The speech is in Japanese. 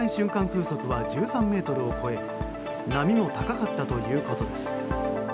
風速は１３メートルを超え波も高かったということです。